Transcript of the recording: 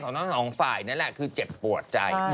ของน้องทรายนั้นน่ะคือเจ็บปวดใจ